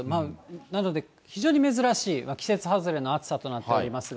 なので、非常に珍しい季節外れの暑さとなっておりますが。